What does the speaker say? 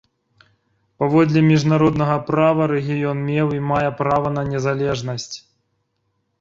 Паводле міжнароднага права рэгіён меў і мае права на незалежнасць.